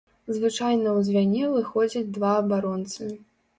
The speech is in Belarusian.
Звычайна ў звяне выходзяць два абаронцы.